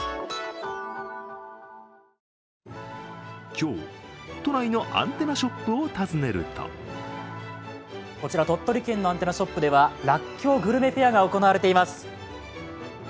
今日、都内のアンテナショップを訪ねるとこちら鳥取県のアンテナショップではらっきょうグルメフェアが行われています。